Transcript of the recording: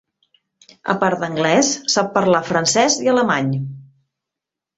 A part d'anglès sap parlar francès i alemany.